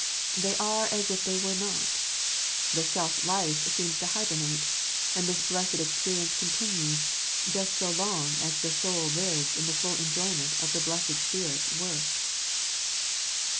They are as if they were not. The self life seems to hybernate; and this blessed experience continues, just so long as the soul lives in the full enjoy ment of the Blessed Spirit's work.